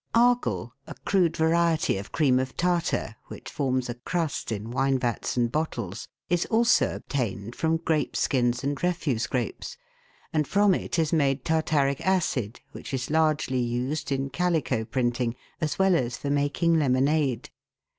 Argol, a crude variety of cream of tartar, which forms a crust in wine vats and bottles, is also obtained from grape skins and refuse grapes, and from it is made tartaric acid, which is largely used in calico printing, as well as for making lemonade.